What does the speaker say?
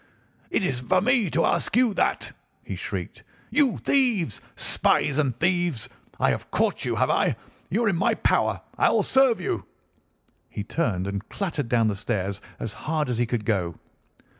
"It is for me to ask you that," he shrieked, "you thieves! Spies and thieves! I have caught you, have I? You are in my power. I'll serve you!" He turned and clattered down the stairs as hard as he could go.